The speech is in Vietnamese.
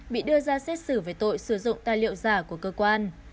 bị đưa ra xét xử về tội sử dụng tài liệu giả của cơ quan